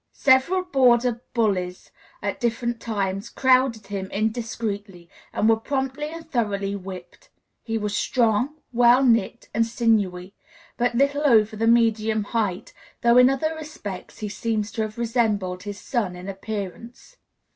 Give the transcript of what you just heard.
Several border bullies, at different times, crowded him indiscreetly, and were promptly and thoroughly whipped. He was strong, well knit, and sinewy; but little over the medium height, though in other respects he seems to have resembled his son in appearance.